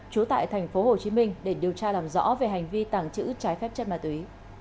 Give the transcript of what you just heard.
trú tại tp hcm để điều tra làm rõ về hành vi tàng trữ trái phép chất ma túy